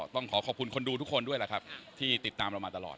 ต้องขอขอบคุณคนดูทุกคนด้วยล่ะครับที่ติดตามเรามาตลอด